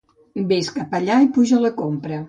Vés cap avall i puja la compra.